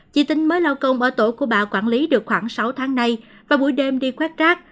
chị tinh mới lao công ở tổ của bà quản lý được khoảng sáu tháng nay và buổi đêm đi quét rác